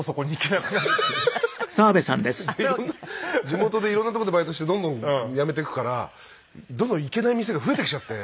地元で色んなとこでバイトしてどんどん辞めていくからどんどん行けない店が増えてきちゃって。